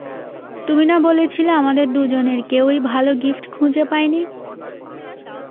তুমি না বলেছিলে আমাদের দুজনের কেউই ভালো গিফট খুঁজে পায়নি?